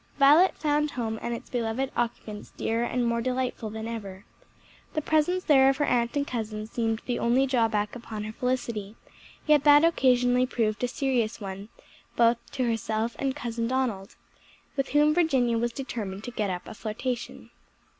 Violet found home and its beloved occupants dearer and more delightful than ever. The presence there of her aunt and cousin seemed the only drawback upon her felicity; yet that occasionally proved a serious one to both herself and "Cousin Donald," with whom Virginia was determined to get up a flirtation.